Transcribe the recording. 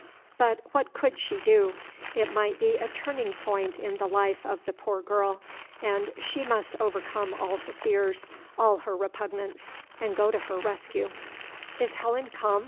But what could she do? It might be a turning point in the life of the poor girl; and she must overcome all her fears, all her repugnance, and go to her rescue. "Is Helen come?"